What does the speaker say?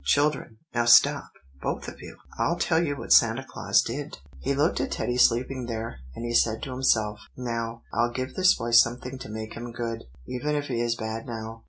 Children, now stop, both of you. I'll tell you what Santa Claus did. He looked at Teddy sleeping there; and he said to himself, 'Now, I'll give this boy something to make him good, even if he is bad now.